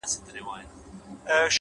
حقیقت ورو خو تل خپل ځان ښکاره کوي؛